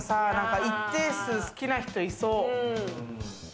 一定数、好きな人いそう。